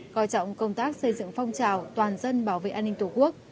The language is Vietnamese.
coi trọng công tác xây dựng phong trào toàn dân bảo vệ an ninh tổ quốc